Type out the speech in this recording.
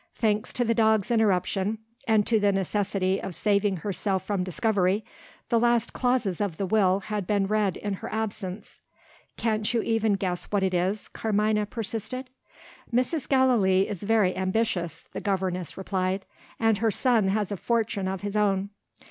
Thanks to the dog's interruption, and to the necessity of saving herself from discovery, the last clauses of the Will had been read in her absence. "Can't you even guess what it is?" Carmina persisted. "Mrs. Gallilee is very ambitious," the governess replied: "and her son has a fortune of his own.